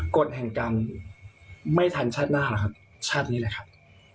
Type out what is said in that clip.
กฎแห่งกรรมไม่ทันชาติหน้าหรอกครับชาตินี้แหละครับ